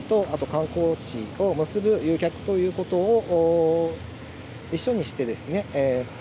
あと観光地を結ぶ旅客という部分を一緒にしてですね